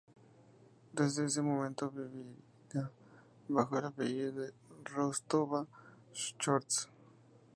Desde ese momento vivirá bajo el apellido Rostova-Shchors.